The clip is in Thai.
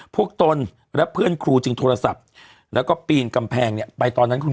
พวกตนและเพื่อนครูจึงโทรศัพต์แล้วก็ปีนกำแพงไปตอนเมื่อกี้